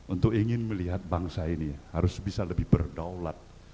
untuk ingin melihat bangsa ini harus bisa lebih berdaulat